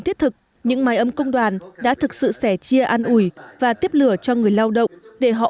thiết thực những máy ấm công đoàn đã thực sự sẻ chia an ủi và tiếp lửa cho người lao động để họ